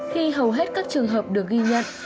khi hầu hết các trường hợp được ghi nhận